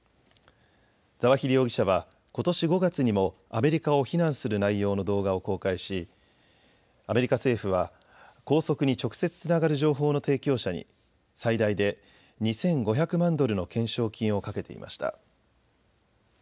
ザワヒリ容疑者はことし５月にもアメリカを非難する内容の動画を公開しアメリカ政府は拘束に直接つながる情報の提供者に最大で２５００万ドルの懸賞金をかけていました。